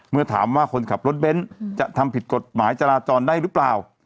เมื่อถามว่าคนขับรถเบ้นจะทำผิดกฎหมายจราจรได้หรือเปล่า